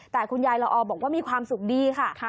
แต่คุณยายละออบอกว่ามีความสุขดีค่ะ